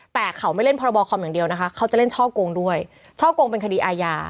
แต่เขาไม่เล่นพรบคอมอย่างเดียวนะคะเขาจะเล่นช่อกงด้วยช่อกงเป็นคดีอาญา